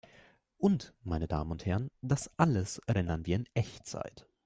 Und, meine Damen und Herren, das alles rendern wir in Echtzeit!